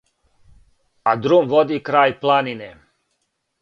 А друм води крај планине.